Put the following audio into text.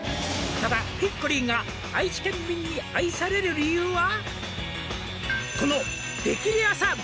「ただヒッコリーが愛知県民に愛される理由は」